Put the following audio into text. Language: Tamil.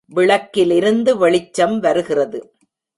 விளக்கிலிருந்து வெளிச்சம் வருகிறது.